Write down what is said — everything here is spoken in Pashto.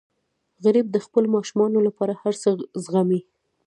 غریب د خپلو ماشومانو لپاره هر څه زغمي